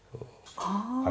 ああ。